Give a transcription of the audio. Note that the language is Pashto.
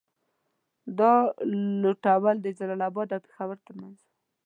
دا لوټول د جلال اباد او پېښور تر منځ وو.